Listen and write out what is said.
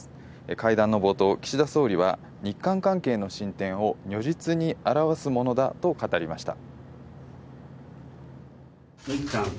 会談の冒頭、岸田総理は日韓関係の進展を如実に表すものだと語りました。